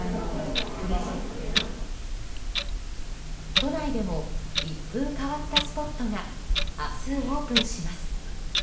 都内でも一風変わったスポットが明日オープンします。